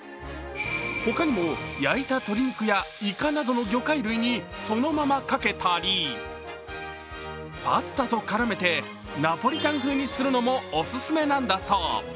ほかにも焼いた鶏肉やイカなどの魚介類にそのままかけたりパスタと絡めてナポリタン風にするのもオススメなんだそう。